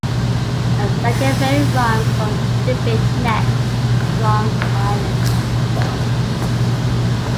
A second ferry runs from Digby Neck to Long Island.